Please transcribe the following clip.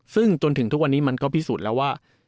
ซึ่งจนถึงทุกวันนี้มันก็พิสูจน์แล้วว่า